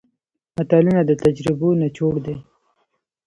متلونه د تجربو نچوړ دی